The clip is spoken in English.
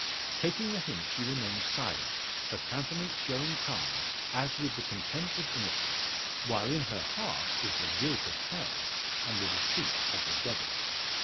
Taking the hint she remains silent, her countenance showing calm, as with the content of innocence, while in her heart is the guilt of hell, and the deceit of the devil.